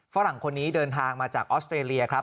ฝรั่งคนนี้เดินทางมาจากออสเตรเลียครับ